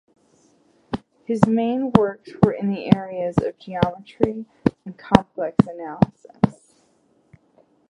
His main works were in the areas of geometry and complex analysis.